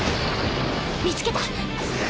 見つけた！